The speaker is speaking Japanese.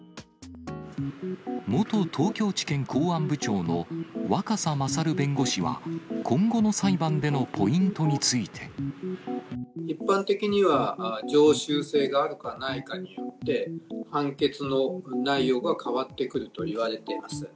元東京地検公安部長の若狭勝弁護士は、今後の裁判でのポイントに一般的には、常習性があるかないかによって、判決の内容が変わってくるといわれてます。